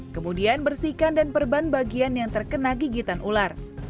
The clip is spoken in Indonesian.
kemudian bersihkan dan perban bagian yang terkena gigitan ular